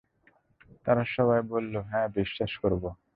তারা সবাই বললঃ হ্যাঁ, বিশ্বাস করব।